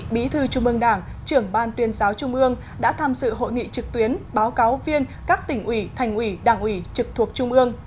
bí thư trung ương đảng trưởng ban tuyên giáo trung ương đã tham dự hội nghị trực tuyến báo cáo viên các tỉnh ủy thành ủy đảng ủy trực thuộc trung ương